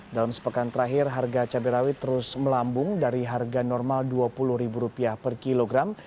dalam sepekan terakhir harga cabai rawit terus melambung dari harga normal rp dua puluh per kilogram